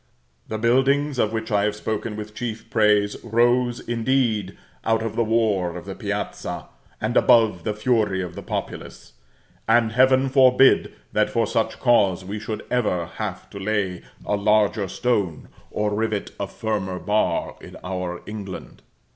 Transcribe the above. The buildings of which I have spoken with chief praise, rose, indeed, out of the war of the piazza, and above the fury of the populace: and Heaven forbid that for such cause we should ever have to lay a larger stone, or rivet a firmer bar, in our England!